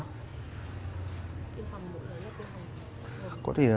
tiêm phòng một lần là tiêm phòng